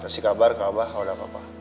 kasih kabar ke abah kalau ada apa apa